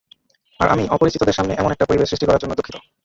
আর আমি অপরিচিতদের সামনে এমন একটা পরিবেশ সৃষ্টি করার জন্য দুঃখিত।